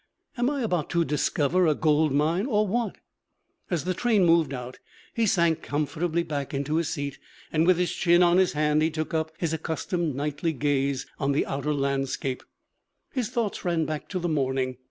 'Am I about to discover a gold mine, or what?' As the train moved out he sank comfortably back into his seat, and with his chin on his hand he took up his accustomed nightly gaze on the outer landscape. His thoughts ran back to the morning.